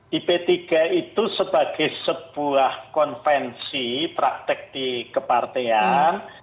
di p tiga itu sebagai sebuah konvensi praktek di kepartean